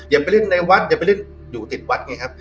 อย่าไปเล่นในวัดอย่าไปเล่นอยู่ติดวัดไงครับ